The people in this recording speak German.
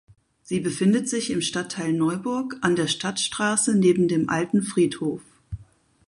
Sie befindet sich im Stadtteil Neuburg an der Stadtstraße neben dem Alten Friedhof.